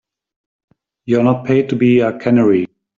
You're not paid to be a canary.